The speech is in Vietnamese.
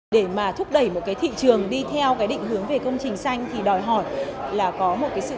để mà thúc đẩy một cái thị trường đi theo cái định hướng về công trình xanh thì đòi hỏi là có một cái sự